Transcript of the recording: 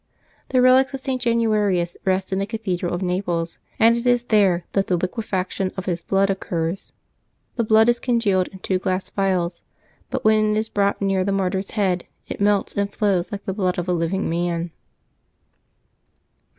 The relics of St. Januarius rest in the cathedral of Naples, and it is there that the liquefaction of his blood occurs. The blood is congealed in two glass vials, but when it is brought near the mart3T's head it melts and flows like the blood of a living man.